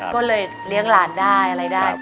ก็เลยเลี้ยงหลานได้อะไรได้